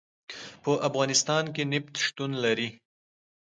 په افغانستان کې نفت شتون لري.